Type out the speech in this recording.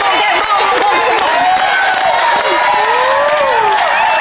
มุมแดก